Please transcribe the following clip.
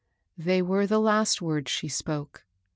They were the last words she spoke.